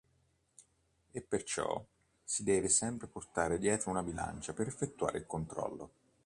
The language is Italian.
E perciò si deve sempre portare dietro una bilancia per effettuare il controllo.